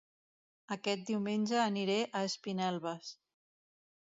Aquest diumenge aniré a Espinelves